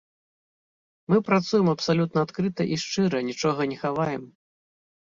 Мы працуем абсалютна адкрыта і шчыра, нічога не хаваем.